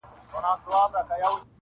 • زه لرمه ډېر دولت دا هم علم هم آدب دی..